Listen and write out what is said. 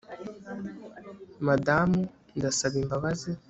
Madamu Ndasaba imbabazi